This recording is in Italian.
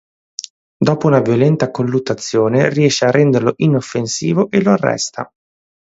Dopo una violenta colluttazione, riesce a renderlo inoffensivo e lo arresta.